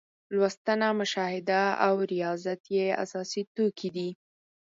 لوستنه، مشاهده او ریاضت یې اساسي توکي دي.